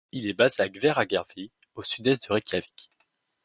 Il est basé à Hveragerði au sud est de Reykjavik.